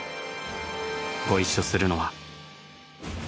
ご一緒するのは。